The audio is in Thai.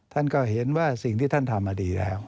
ท่านก็เห็นว่าสิ่งที่ท่านทำมาดีแล้ว